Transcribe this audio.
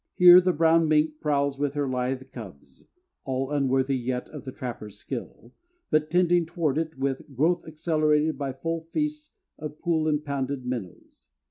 Here the brown mink prowls with her lithe cubs, all unworthy yet of the trapper's skill, but tending toward it with growth accelerated by full feasts of pool impounded minnows.